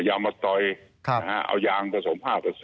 ยางมะตอยเอายางผสม๕